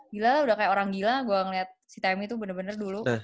gila udah kayak orang gila gue ngeliat si timnya tuh bener bener dulu